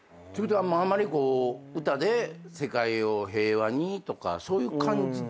あんまり歌で世界を平和にとかそういう感じではない？